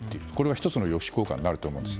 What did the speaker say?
１つの抑止効果があると思うんです。